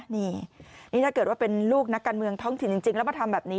นี่นี่ถ้าเกิดว่าเป็นลูกนักการเมืองท้องถิ่นจริงแล้วมาทำแบบนี้